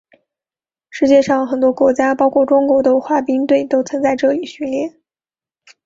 世界上很多国家包括中国的滑冰队都曾在这里训练。